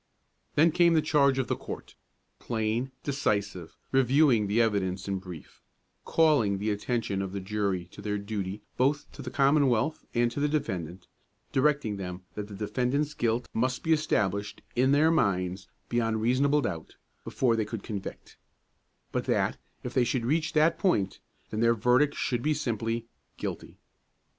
Then came the charge of the court; plain, decisive, reviewing the evidence in brief, calling the attention of the jury to their duty both to the Commonwealth and to the defendant, directing them that the defendant's guilt must be established, in their minds, beyond a reasonable doubt, before they could convict; but that, if they should reach that point, then their verdict should be simply "Guilty."